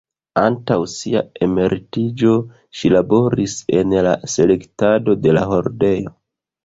Antaŭ sia emeritiĝo, ŝi laboris en la selektado de la hordeo.